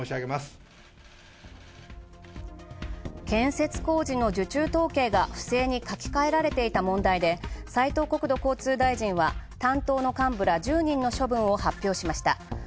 建設工事の受注統計が書き換えられていた問題で斉藤国土交通大臣は担当の幹部ら１０人の処分を発表しました。